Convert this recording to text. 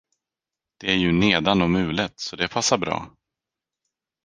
Det är ju nedan och mulet, så det passar bra.